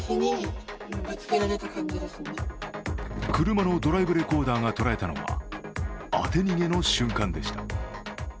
車のドライブレーコーダーが捉えたのは、当て逃げの瞬間でした。